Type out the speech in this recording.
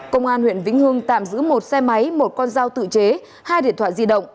công an huyện vĩnh hưng tạm giữ một xe máy một con dao tự chế hai điện thoại di động